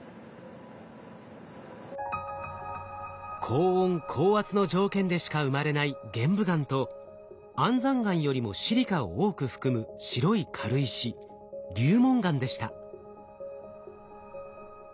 高温高圧の条件でしか生まれない玄武岩と安山岩よりもシリカを多く含む白い軽石流紋岩でした。